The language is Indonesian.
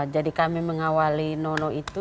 jadi kami mengawali nono itu